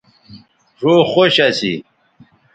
ڙھؤ خوش اسی